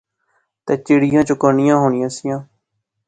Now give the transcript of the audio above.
تہ چڑیاں چوکانیاں ہونیاں سیا